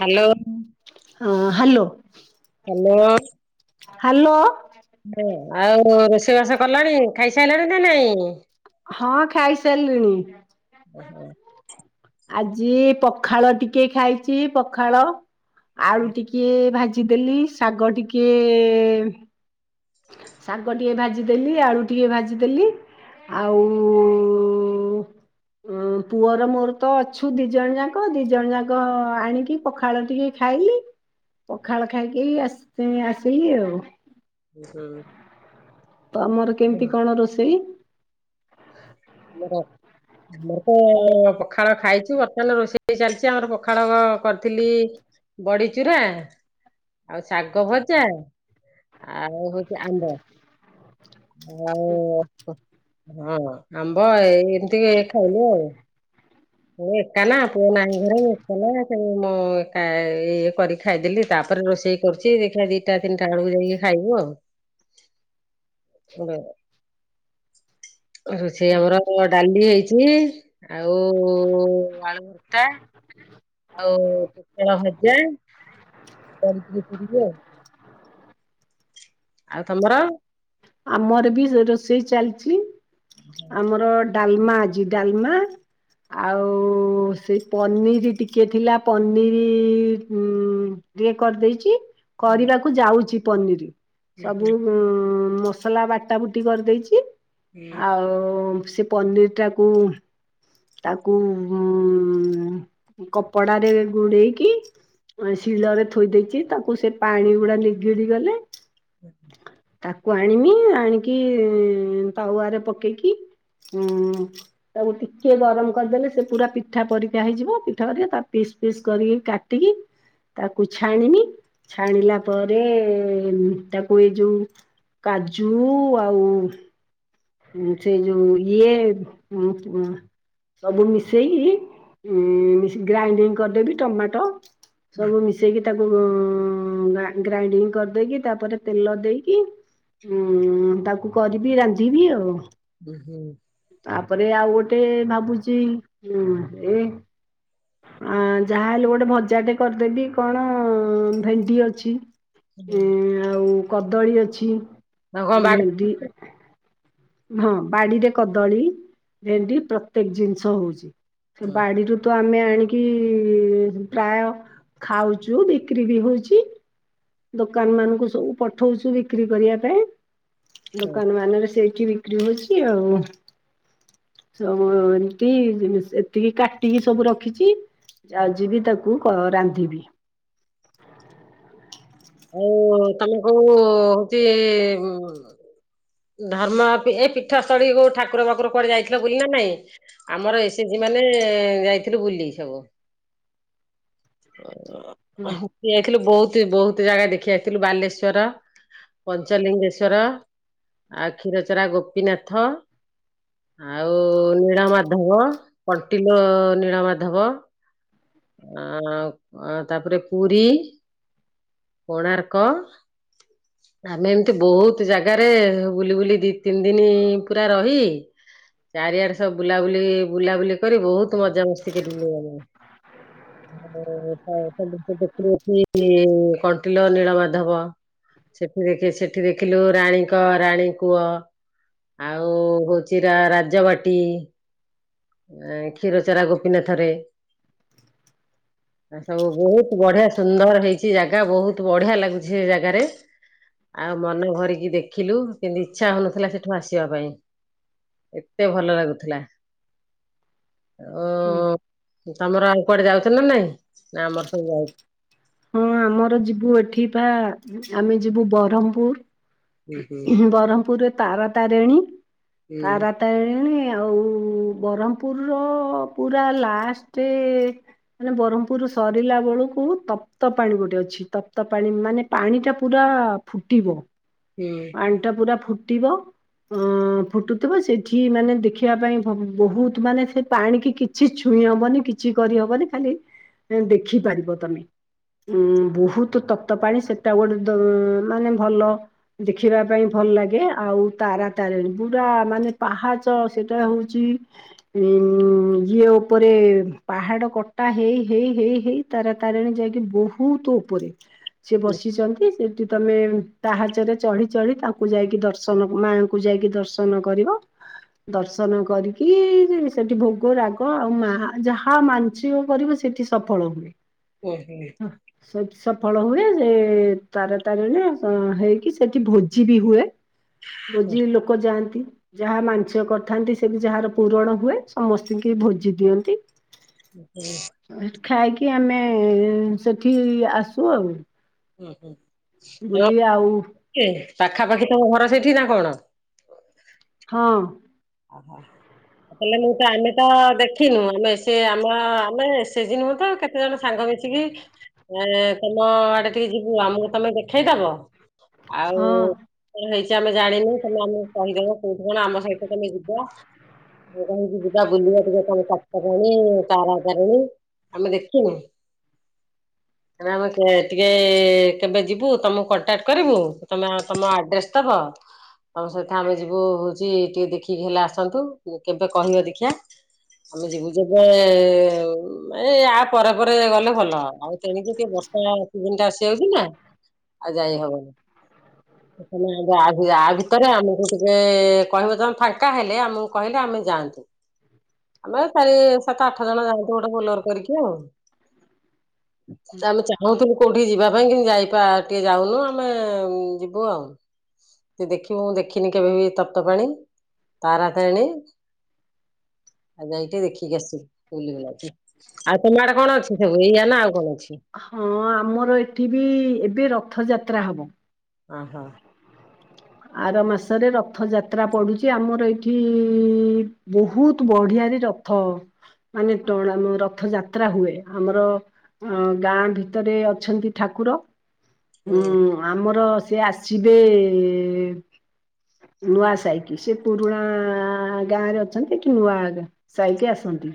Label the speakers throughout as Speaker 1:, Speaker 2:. Speaker 1: Hello.
Speaker 2: ହଁ hello.
Speaker 1: Hello.
Speaker 2: Hello.
Speaker 1: ହ ଆଉ ରୋଷେଇବାସ କଲାଣି ଖାଇସାରିଲଣି ନା ନାଇଁ?
Speaker 2: ହଁ ଖାଇ ସାରିଲିଣି।
Speaker 1: ଓହୋ।
Speaker 2: ଆଜି ପଖାଳ ଟିକେ ଖାଇଚି ପଖାଳ ଆଳୁ ଟିକେ ଭାଜିଦେଲି ଶାଗ ଟିକେ ଶାଗ ଟିକେ ଭାଜିଦେଲି ଆଳୁ ଟିକେ ଭାଜିଦେଲି। ଆଉ ଉ-ଉ-ଉ-ଉ ହୁଁ ପୁଅର ମୋର ତ ଅଛୁ ଦି ଜଣ ଯାକ ଦି ଜଣ ଯାକ ଆଣିକି ପଖାଳ ଟିକେ ଖାଇଲି ପଖାଳ ଖାଇକି ଆସି ଆସିଲି ଆଉ।
Speaker 1: ହୁଁ।
Speaker 2: ତମର କେମିତି କଣ ରୋଷେଇ।
Speaker 1: ଆମର। ଆମର ତ ପଖାଳ ଖାଇଚୁ ବର୍ତ୍ତମାନ ରୋଷେଇ ଚାଲିଚି ଆମର ପଖାଳ କରିଥିଲି। ବଡିଚୁରା ଆଉ ଶାଗ ଭଜା ଆଉ ହଉଚି ଆମ୍ବ ଆଉ ହଁ ଆମ୍ବ ଏଇ ଏମିତି ଖାଇଲୁ ଆଉ। ମୁଁ ଏକା ନା ପୁଅ ନାହିଁ ଘରେ ଏକା ନା ସେ ମୁଁ ଏକା ଇଏ କରିକି ଖାଇଦେଲି ତାପରେ ରୋଷେଇ କରୁଚି ଦେଖିବା ଦିଟା ତିନିଟା ବେଳକୁ ଯାଇକି ଖାଇବୁ ଆଉ। [unintelligible] ରୋଷେଇ ଆମର ହବ ଡାଲି ହେଇଚି। ଓ ଆଳୁ ଭର୍ତା। ଆଉ ପୋଟଳ ଭଜା କରିଚି ଟିକେ ଆଉ। ଆଉ ତମର?
Speaker 2: ଆମର ବି ରୋଷେଇ ଚାଲିଚି ଆମର ଡାଲମା ଆଜି ଡାଲମା। ଆଉ ସେ ପନିର ଟିକେ ଥିଲା ପନିର ଉଁ ଉଁ ଟିକେ କରିଦେଇଚି
Speaker 1: ହୁଁ
Speaker 2: କରିବାକୁ ଯାଉଚି ପନିର ସବୁ ହୁଁ ମସ ସଲା ବାଟା ବୁଟି କରିଦେଇଛି ଆଉ ସେ ପନିରଟାକୁ ତାକୁ ଉଁ କପଡାରେ ଗୁଡେଇକି ଅଁ ଶିଳରେ ଥୋଇ ଦେଇଚି ତାକୁ ସେ ପାଣି ଗୁଡା ନିଗିଡି ଗଲେ
Speaker 1: [unintelligible]
Speaker 2: ତାକୁ ଆଣିମି ଆଣିକି ତାୱାରେ ପକେଇକି ଅଁ ତାକୁ ଟିକ କିଏ ଗରମ କରିଦେଲେ ସେ ପୁରା ପିଠା ପରିକା ହେଇଯିବ। ପିଠା ପରିକା ତା ପିସ୍ ପିସ୍ କରିକି କାଟିକି ତାକୁ ଛାଣିମି ଛାଣିଲା ପରେ ତାକୁ ଏଇ ଯୋଉ କାଜୁ ଆଉ ଉଁ ସେ ଯୋଉ ଇଏ ଅଁ ଅଁ ସବୁ ମିଶେଇକି ଉଁ ଗ୍ରାଇଣ୍ଡିଙ୍ଗ କରିଦେବି ଟମାଟ ସବୁ ମିଶେଇକି ତାକୁ ଉ ଗ୍ରା ଗ୍ରାଇଣ୍ଡିଙ୍ଗ କରିଦେଇକି ତାପରେ ତେଲ ଦେଇକି ଉଁ ତାକୁ କରିବି ରାନ୍ଧିବି ଆଉ।
Speaker 1: ଉଁ ହୁଁ।
Speaker 2: ତାପରେ ଆଉ ଗୋଟିଏ ଭାବୁଚି ଉଁ ଏ ଆଁ ଯାହା ହେଲେ ଗୋଟେ ଭଜାଟେ କରିଦେବି କଣ ଭେଣ୍ଡି ଅଛି।
Speaker 1: ହୁଁ
Speaker 2: ଏ
Speaker 1: ହୁଁ।
Speaker 2: ଆଉ କଦଳୀ ଅଛି।
Speaker 1: ଆଉ କଁ ବାଡିରେ
Speaker 2: ଭେଣ୍ଡି
Speaker 1: ଫଳିଥିଲା
Speaker 2: ହଁ ବାଡିରେ କଦଳୀ ଭେଣ୍ଡି ପ୍ରତ୍ୟେକ ଜିନିଷ ହଉଛି ସେ
Speaker 1: ହୁଁ
Speaker 2: ବାଡିରୁ ତ ଆମେ ଆଣିକି ପ୍ରାୟ ଖାଉଚୁ ବିକ୍ରି ବି ହଉଚି। ଦୋକାନ ମାନଙ୍କୁ ସବୁ ପଠଉଛୁ ବିକ୍ରି କରିବା ପାଇଁ
Speaker 1: ହୁଁ।
Speaker 2: ଦୋକାନ ମାନ ରେ ସେଇଠି ବି ରହୁଛି ଆଉ। ସ ଏମତି ଯେମିତି ସେ କାଟିକି ସବୁ ରଖିଚି। ଯାଉଚି ଯିବି ତାକୁ କ ରାନ୍ଧିବି।
Speaker 1: ଆଉ ତମେ କଣ ହଉଚି ଉଁ ଧର୍ମ ଏ ପୀଠସ୍ଥଳୀ କୋଉ ଠାକୁର ବାକୁର କୁଆଡେ ଯାଇଥିଲ ବୁଲି ନା ନାଇଁ? ଆମର ଏସି ଜି ମାନେ ଯାଇଥିଲୁ ବୁଲି ସବୁ। ଅଁ ହ ଯାଇଥିଲୁ ବହୁତ ବହୁତ ଜାଗା ଦେଖି ଆସିଥିଲୁ ବାଲେଶ୍ଵର। ପଞ୍ଚଲିଙ୍ଗେଶ୍ଵର ଆଉ କ୍ଷୀରଚୋରା ଗୋପୀନାଥ। ଆଉ ନୀଳ ମାଧବ କଣ୍ଟିଲ ନୀଳ ମାଧବ। ଆ ତାପରେ ପୁରୀ, କୋଣାର୍କ ଆମେ ଏମିତି ବହୁତ ଜାଗାରେ ବୁଲି ବୁଲି ଦି ତିନି ଦିନି ପୁରା ରହି ଚାରିଆଡେ ସବୁ ବୁଲାବୁଲି ବୁଲାବୁଲି କରି ବହୁତ ମଜାମସ୍ତି କରିଲୁ ଆମେ। [unintelligible] ଦେଖିନଥିଲି କଣ୍ଟିଲ ନୀଳ ମାଧବ। ସେଠି ଦେଖ ସେଠି ଦେଖିଲୁ ରାଣୀଙ୍କ ରାଣୀ କୁଅ। ଆଉ ହଉଛି ରା ରାଜବାଟି। ଆଁ କ୍ଷୀର ଚୋରା ଗୋପୀନାଥରେ। ଆ ସବୁ ବହୁତ ବଢିଆ ସୁନ୍ଦର ହେଇଛି ଜାଗା ବହୁତ ବଢିଆ ଲାଗୁଚି ସେ ଜାଗାରେ। ଆଉ ମନେ ଭରିକି ଦେଖିଲୁ କିନ୍ତୁ ଇଚ୍ଛା ହୋଉନଥିଲା ସେଠୁ ଆସିବା ପାଇଁ। ଏତେ ଭଲ ଲାଗୁଥିଲା। ଓ ତମର ଆଉ କୁଆଡେ ଯାଉଚ ନା ନାଇଁ ନା ଆମର ସବୁ ଯାଉ-
Speaker 2: ହଁ ଆମର ଯିବୁ ଏଠି ପା ଆମେ ଯିବୁ ବରହମପୁର।
Speaker 1: ହୁଁ ହୁଁ
Speaker 2: ବରହମପୁରରେ ତାରା ତାରିଣୀ ତାରା ତାରିଣୀ ଆଉ ବ୍ରରହମପୁର ର ପୁରା ଲାଷ୍ଟ ମାନେ ବ୍ରହ୍ମପୁରରୁ ସରିଲା ବେଳକୁ ତ ତପ୍ତ ପାଣି ଗୋଟେ ଅଛି ତପ୍ତ ପାଣି ମାନେ ପାଣି ଟା ପୁରା ଫୁଟିବ
Speaker 1: ହୁଁ।
Speaker 2: ପାଣି ଟା ପୁରା ଫୁଟିବ ଅଁ ଫୁଟୁଥିବ ସେଠି ମାନେ ଦେଖିବା ପାଇଁ ବ ବହୁତ ମାନେ ସେ ପାଣିକି କି କିଛି ଛୁଇଁ ହବନି କିଛି କରିହବନି ଖାଲି ଦେଖିପାରିବ ତମେ। ଉଁ ବହୁତ ତପ୍ତ ପାଣି ସେଟା ଗୋଟେ ଦ ମାନେ ଭଲ ଦେଖିବା ପାଇଁ ଭଲ ଲାଗେ ଆଉ ତାରା ତାରିଣୀ ପୁରା ମାନେ ପାହାଚ ସେଟା ହଉଚି ଉଁ ଇଏ ଉପରେ ପାହାଡ କଟା ହେଇ ହେଇ ହେଇ ହେଇ ତାରା ତାରିଣୀ ଯାଇକି ବହୁତ ଉପରେ ସେ ବସିଛନ୍ତି ସେଠି ତମେ ପାହାଚରେ ଚଢି ଚଢି ତାଙ୍କୁ ଯାଇକି ଦର୍ଶନ ମାଙ୍କୁ ଯାଇକି ଦର୍ଶନ କରିବ ଦର୍ଶନ କରିକି ସେଠି ଭୋଗ ରାଗ ଆଉ ମା ଯାହା ମାଂଶିକ କରିବ ସେଠି ସଫଳ ହୁଏ।
Speaker 1: [unintelligible]
Speaker 2: ସେଠି ସଫଳ ହୁଏ ସେ ତାର ତାରିଣୀରେ ହେଇ କି ସେଠି ଭୋଜି ବି ହୁଏ ଭୋଜିରେ ଲୋକ ଯାଆନ୍ତି। ଯାହା ମାଂଶିକ କରିଥାନ୍ତି ସେଠି ଯାହାର ପୂରଣ ହୁଏ ସମସ୍ତଙ୍କୁ ଭୋଜି ଦିଅନ୍ତି।
Speaker 1: [unintelligible]
Speaker 2: ଖାଇକି ଆମେ ସେଠି ଆସୁ ଆଉ।
Speaker 1: ହୁଁ ହୁଁ
Speaker 2: ବୁଲି ଆଉ
Speaker 1: [unintelligible] ପାଖାପାଖି ତମ ଘର ସେଇଠି ନା କଣ?
Speaker 2: ହଁ।
Speaker 1: ଆ ହା। ହେଲେ ମୁଁ ତ ଆମେ ତ ଦେଖିନୁ ଆମେ ସେ ଆମ ଆମେ ସେଜି ନୁହଁ ତ କେ କେତେ ଜଣ ସାଙ୍ଗ ମିଶିକି ଏ ତମ ଆଡେ ଟିକେ ଯିବୁ ଆମକୁ ତମେ ଦେଖେଇ ଦବ? ଆଉ
Speaker 2: ହଁ
Speaker 1: କଣ ହେଇଛି ଆମେ ଜାଣିନୁ ତମେ ଆମକୁ କହିଦବ କୋଉଠୁ କଣ ଆମ ସହିତ ତମେ ଯିବ। କାହିଁକି ଯିବା ବୁଲିବା ଟିକେ ତମ ତପ୍ତପାଣି ତାରା ତାରିଣୀ। ଆମେ ଦେଖିଛୁ ନା। ଆମେ ଟିକେ କେବେ ଯିବୁ ତମକୁ କଣ୍ଟାକ୍ଟ କରିବୁ ତମେ ତମ ଆଡ୍ରେସ ଦବ ତମ ସହିତ ଆମେ ଯିବୁ ହଉଛି ଟିକେ ଦେଖିକି ହେଲେ ଆସନ୍ତୁ କେବେ କହିବେ ଦେଖିଆ। ଆମେ ଯିବୁ ଯେବେ ଏ ଆ ପରେ ପରେ ଗଲେ ଭଲ ଆଉ ତେଣିକି ଟିକେ ବର୍ଷା ସିଜିନି ଟା ଆସିଯାଉଛି ନା ଆଉ ଯାଇ ହବନି। ତମେ ଏବେ ଆ ଆ ଭିତରେ ଆମକୁ ଟିକେ ତମେ କଣ ଫାଙ୍କା ହେଲେ ଆମକୁ କହିଲେ ଆମେ ଯାଆନ୍ତୁ। ଆମେ ଚାରି ସାତ ଆଠ ଜଣ ଯାଆନ୍ତୁ ଗୋଟେ ବୋଲର କରିକି ଆଉ। ଆମେ ଚାହୁଁଥିଲୁ କୋଉଠି ଯିବା ପାଇଁ କିନ୍ତୁ ଯାଇ ପା ଟିକେ ଯାଉନୁ ଆମେ ଯିବୁ ଆଉ। ଦେଖିବୁ ମୁଁ ଦେଖିନି କେବେ ବି ତପ୍ତ ପାଣି ତାରା ତାରିଣୀ। ଆଉ ଯାଇକି ଟିକେ ଦେଖିକି ଆସିବୁ ବୁଲି ବୁଲା କି। ଆଉ ତମ ଆଡେ କଣ ଅଛି ସବୁ ଏଇଆ ନା ଆଉ କଣ ଅଛି?
Speaker 2: ହଁ ଆମର ଏଠି ବି ଏବେ ରଥଯାତ୍ରା ହବ।
Speaker 1: ଅ ହଁ।
Speaker 2: ଆର ମାସରେ ରଥଯାତ୍ରା ପଡୁଛି ଆମର ଏଠି ବହୁତ ବଢିଆରେ ରଥ ରଥ ଟଣା ନୁହେ ରଥଯାତ୍ରା ହୁଏ ଆମର ଅଁ ଗାଁ ଭିତରେ ଅଛନ୍ତି ଠାକୁର। ହୁଁ, ଆମର ସେ ଆସିବେ ନୂଆ ସାଇକି। ସେ ପୁରୁଣା ଗାଁରେ ଅଛନ୍ତି କି ନୂଆ- ସାଇକି ଆସନ୍ତି।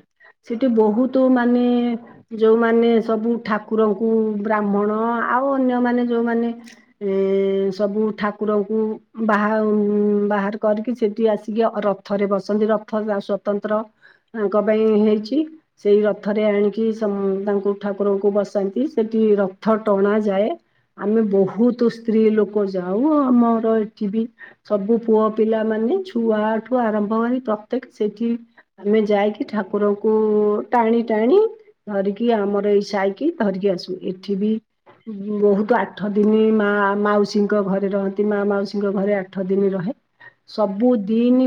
Speaker 2: ସେଠି ବହୁତ ମାନେ ଯୋଉମାନେ ସବୁ ଠାକୁରଙ୍କୁ ବ୍ରାହ୍ମଣ ଆଉ ଅନ୍ୟମାନେଯୋଉମାନେ ଏ ସବୁ ଠାକୁରଙ୍କୁ ବାହା ଉଁ ବାହାର କରିକି ସେଠି ଆସିକି ରଥରେ ବସନ୍ତି ରଥ ଯା ସ୍ଵତନ୍ତ୍ର ତାଙ୍କ ପାଇଁ ହେଇଛି। ସେଇ ରଥରେ ଆଣିକି ସମ ତାଙ୍କୁ ଠାକୁରଙ୍କୁ ବସାନ୍ତି। ସେଠି ରଥ ଟଣା ଯାଏ। ଆମେ ବହୁତ ସ୍ତ୍ରୀ ଲୋକ ଯାଉ। ଆମର ଠି ବି ସବୁ ପୁଅ ପିଲା ମାନେ ଛୁଆଠୁ ଆରମ୍ଭ କରି ପ୍ରତ୍ୟେକ ସେଠି ଆମେ ଯାଇକି ଠାକୁରଙ୍କୁ ଟାଣି ଟାଣି ଧରିକି ଆମର ଏଇ ସାଇକି ଧରିକି ଆସୁ। ଏଠି ବି ବହୁତ ଆଠ ଦିନି ମା ମାଉସୀଙ୍କ ଘରେ ରହନ୍ତି। ମା ମାଉସୀ ଙ୍କ ଘରେ ଆଠ ଦିନି ରହେ। ସବୁ ଦିନି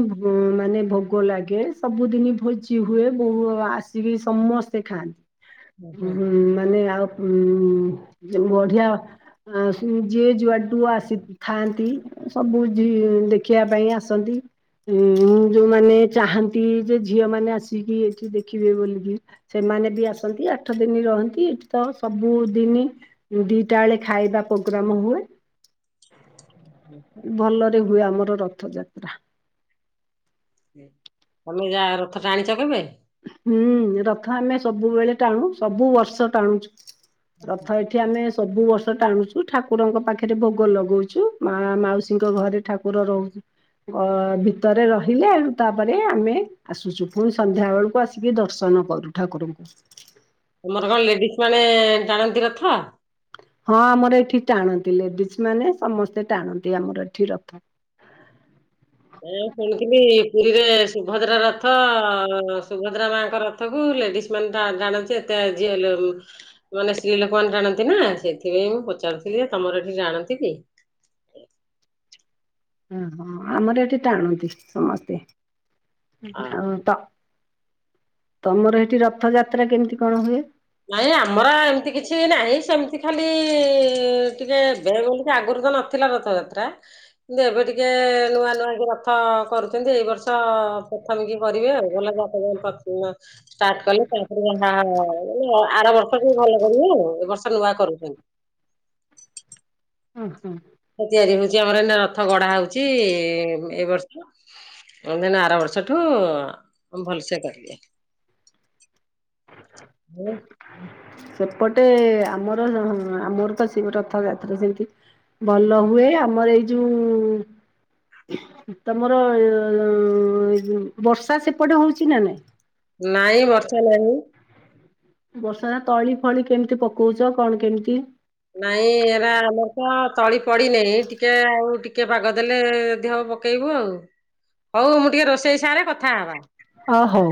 Speaker 2: ମାନେ ଭୋଗ ଲାଗେ। ସବୁଦିନି ଭୋଜି ହୁଏ ବୋହୁ ଆସ- ଜିକି ସମସ୍ତେ ଖାଆନ୍ତି।
Speaker 1: ହୁଁ ହୁଁ
Speaker 2: ମାନେ ଆଉ ଉଁ ଯେ ବଢିଆ। ଯିଏ ଯୁଆଡୁ ଆସିଥାନ୍ତି। ସବୁ ଝି ଦେଖିବା ପାଇଁ ଆସନ୍ତି। ଉଁ ଯୋଉମାନେ ଚାହାନ୍ତି ଯେ ଝିଅ ମାନେ ଆସିକି ଏଠି ଦେଖିବେ ବୋଲିକି। ସେମାନେ ବି ଆସନ୍ତି। ଆଠ ଦିନି ରହନ୍ତି। ଏଠି ତ ସବୁ ଦିନି- ଦିଟା ବେଳେ ଖାଇବା ପ୍ରୋଗ୍ରାମ ହୁଏ।
Speaker 1: ହୁଁ [unintelligible]
Speaker 2: ଭଲରେ ହୁଏ ଆମର ରଥଯାତ୍ରା।
Speaker 1: ତମେ ଯା ରଥ ଟାଣିଛ କେବେ?
Speaker 2: ହୁଁ, ରଥ ଆମେ ସବୁବେଳେ ଟାଣୁ। ସବୁ ବର୍ଷ ଟାଣୁଛୁ।
Speaker 1: ଓହୋ।
Speaker 2: ରଥ ଏ ଏଠି ଆମେ ସବୁ ବର୍ଷ ଟାଣୁଛୁ। ଠାକୁରଙ୍କ ପାଖରେ ଭୋଗ ଲଗଉଛୁ। ମା ମାଉସୀଙ୍କ ଘରେ ଠାକୁ କୁର ରହୁଛ ଅ ଭିତରେ ରହିଲେ ତାପରେ ଆମେ ଆସୁଛୁ। ପୁଣି ସନ୍ଧ୍ୟା ବେଳୁକୁ କୁ ଆସିକି ଦର୍ଶନ କରୁ ଠାକୁରଙ୍କୁ।
Speaker 1: ତମର କଣ ଲେଡିସ ମାନେ ଟାଣନ୍ତି ରଥ?
Speaker 2: ହଁ ଆମର ଏଠି ଟାଣନ୍ତି। ଲେଡିଜ ମାନେ ସମସ୍ତେ ଟାଣନ୍ତି ଆମର ଏଠି ରଥ।
Speaker 1: ଆ ଶୁଣିଥିଲି ପୁରୀରେ ସୁଭଦ୍ରା ରଥ, ସୁଭଦ୍ରା ମାଙ୍କ ରଥ ତାକୁ ଲେଡିସ୍ ମାନେ ତ ଟାଣନ୍ତି। ଏତେ [inaudible] ମାନେ ସ୍ତ୍ରୀ ଲୋକମାନେ ଟାଣନ୍ତି ନା। ସେଥିପାଇଁ ମୁଁ ପଚାରୁଥିଲି ତମର ଏଠି ଟାଣନ୍ତି କି?
Speaker 2: ହୁଁ ହ ଆମର ଏଠି ଟାଣନ୍ତି ସମସ୍ତେ।
Speaker 1: ହଁ।
Speaker 2: ଆଉ ତ ତମର ଏଠି ରଥଯାତ୍ରା କେମିତି କଣ ହୁଏ?
Speaker 1: ନାଇଁ ଆମର ଏମିତି କିଛି ନାହିଁ। ସେମିତି ଖାଲି ଟିକେ ଏବେ ବୋଲି କି ଆଗୁରୁ ତ ନଥିଲା। ଥିଲା ରଥଯାତ୍ରା। କିନ୍ତୁ ଏବେ ଟିକେ ନୂଆ ନୂଆ କି ରଥ କରୁଛନ୍ତି। ଏଇ ବର୍ଷ ପୋ ପ୍ରଥମି କି କରିବେ ଆଉ। [inaudible] ଷ୍ଟାର୍ଟ କଲେ ତାପରେ ଯାହା [inaudible] ଆର ବର୍ଷ କୁ ଭଲ କରୁବେ ଆଉ। ଏ ବର୍ଷ ନୂଆ କରୁଛନ୍ତି।
Speaker 2: ଉଁ ହୁଁ
Speaker 1: ରଥ ତିଆରି ହଉଛି। ଆମର ଏଇ ନା ରଥ ଗଢା ହଉଛି। ଏ ବର୍ଷ [inaudible] ଆର ବର୍ଷଠୁ ଭଲସେ କରିବେ। ହୁଁ
Speaker 2: ସେପଟେ ଆମର ଆମର ତ ସେ ରଥଯାତ୍ରା ସେମିତି। ଭଲ ହୁଏ ଆମର ଏଇ ଯୋଉ। ତମର ବର୍ଷା ସେପଟେ ହଉଛି ନା ନାଇଁ।
Speaker 1: ନାଇଁ ବର୍ଷା ନାଇଁ।
Speaker 2: ବର୍ଷା ତଳି, ଫଳି କେମିତି ପକଉଛ କଣ କେମିତି?
Speaker 1: ନାଇଁ ଏରା ଆମର ତ ତଳି ପଡି ନାହିଁ ଟିକେ ଆଉ ଟିକେ ପାଗ ଦେଲେ ଯଦି ହବ। ପକେଇବୁ ଆଉ ହଉ ମୁଁ ଟିକେ ରୋଷେଇ ସାରେ କଥା ହବା।
Speaker 2: ଅ ହଉ।